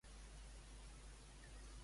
Agafa taula per dos a la Tagliatella.